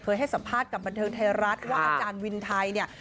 ให้สัมภาษณ์กับบันเทิงไทยรัฐว่าอาจารย์วินไทยเนี่ย